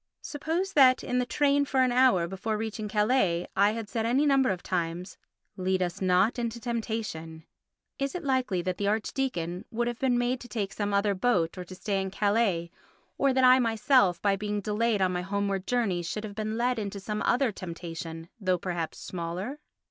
Suppose that in the train for an hour before reaching Calais I had said any number of times, "Lead us not into temptation," is it likely that the archdeacon would have been made to take some other boat or to stay in Calais, or that I myself, by being delayed on my homeward journey, should have been led into some other temptation, though perhaps smaller?